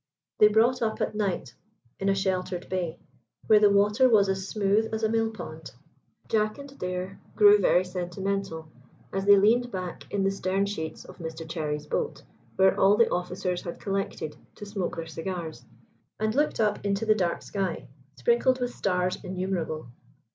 They brought up at night in a sheltered bay, where the water was as smooth as a mill pond. Jack and Adair grew very sentimental as they leaned back in the stern sheets of Mr Cherry's boat, where all the officers had collected to smoke their cigars, and looked up into the dark sky, sprinkled with stars innumerable.